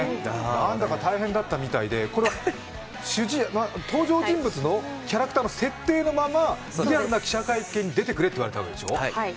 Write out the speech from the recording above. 何だか大変だったみたいで、登場人物のキャラクターの設定のまま、リアルな記者会見に出てくれって言われたんでしょう？